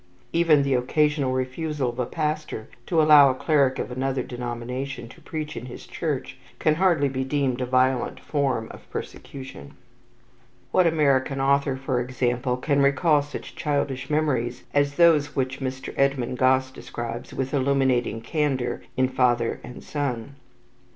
Even the occasional refusal of a pastor to allow a cleric of another denomination to preach in his church, can hardly be deemed a violent form of persecution. What American author, for example, can recall such childish memories as those which Mr. Edmund Gosse describes with illuminating candour in "Father and Son"?